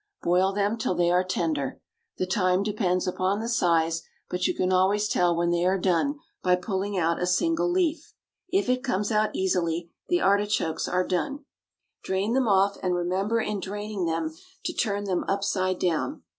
Boil them till they are tender. The time depends upon the size, but you can always tell when they are done by pulling out a single leaf. If it comes out easily the artichokes are done. Drain them off, and remember in draining them to turn them upside down.